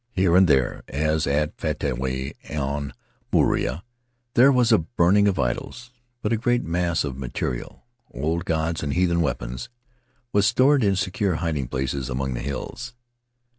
Here and there, as at Faatoai on Moorea, there was a burning of idols, but a great mass of material — old gods and heathen weapons — was stored in secure hiding places among the hills.